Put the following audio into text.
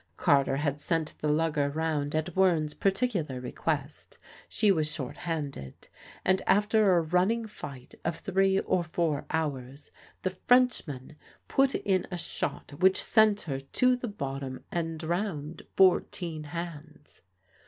Carter had sent the lugger round at Wearne's particular request; she was short handed, and after a running fight of three or four hours the Frenchman put in a shot which sent her to the bottom and drowned fourteen hands.